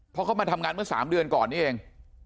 เพราะเขามาทำงานเมื่อ๓เดือนก่อนนี้เอง